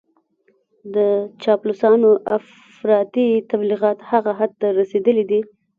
د چاپلوسانو افراطي تبليغات هغه حد ته رسېدلي دي.